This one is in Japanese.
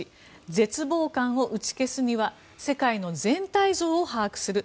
絶望感を打ち消すには世界の全体像を把握する。